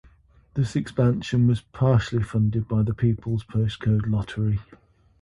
This expansion was partially funded by the People's Postcode Lottery.